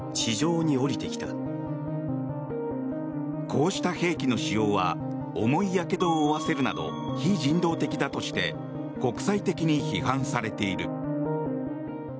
こうした兵器の使用は重いやけどを負わせるなど非人道的だとして国際的に批判されている。